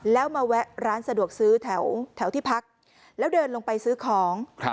แล้วมาแวะร้านสะดวกซื้อแถวที่พักแล้วเดินลงไปซื้อของ